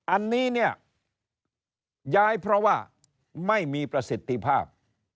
อันนี้เนี่ยย้ายเพราะว่าไม่มีประสิทธิภาพ